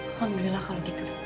alhamdulillah kalau gitu